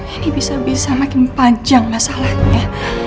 ini bisa makin panjang masalahnya